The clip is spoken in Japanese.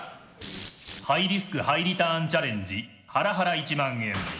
ハイリスクハイリターンチャレンジハラハラ１万円。